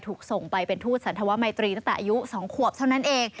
ถูกส่งไปเป็นทูตสันธวมัยตรีตั้งแต่อายุ๒ขวบเท่านั้นเอง